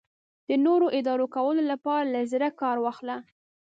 د نورو اداره کولو لپاره له زړه کار واخله.